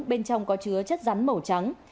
bên trong có chứa chất rắn màu trắng